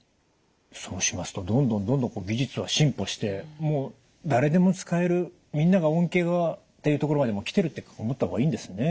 そうしますとどんどんどんどん技術は進歩してもう誰でも使えるみんなが恩恵はっていうところまでもう来てるって思った方がいいんですね。